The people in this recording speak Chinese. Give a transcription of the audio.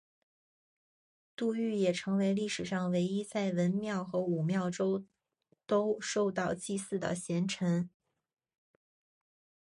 杜预也成为历史上唯一在文庙和武庙中都受到祭祀的贤臣。